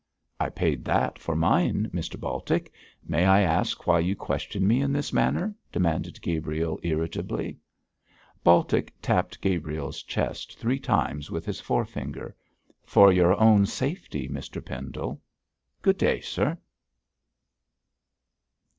'I paid that for mine, Mr Baltic. May I ask why you question me in this manner?' demanded Gabriel, irritably. Baltic tapped Gabriel's chest three times with his forefinger. 'For your own safety, Mr Pendle. Good day, sir!'